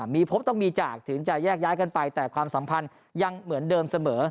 มีพบต้องมีจากถึงจะแยกย้ายกันไปแต่ความสัมพันธ์ยังเหมือนเดิมเสมอ